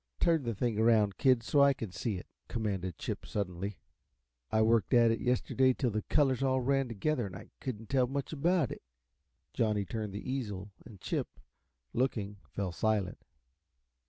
"Turn the thing around, kid, so I can see it," commanded Chip, suddenly. "I worked at it yesterday till the colors all ran together and I couldn't tell much about it." Johnny turned the easel, and Chip, looking, fell silent.